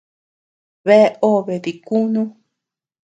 Bea obe dikunú.